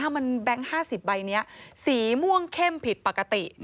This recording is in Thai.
มันแบงค์๕๐ใบนี้สีม่วงเข้มผิดปกติ